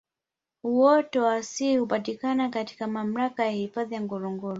Uoto wa asili hupatikna katika mamlaka ya hifadhi ya Ngorongoro